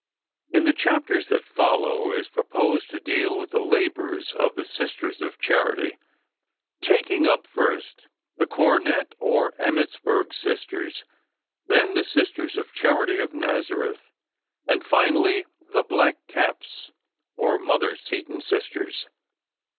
In the chapters that follow it is proposed to deal with the labors of the Sisters of Charity, taking up first the Cornette or Emmittsburg Sisters, then the "Sisters of Charity of Nazareth," and finally the "black caps" or Mother Seton Sisters.